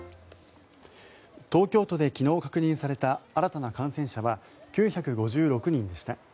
東京都で昨日確認された新たな感染者は９５６人でした。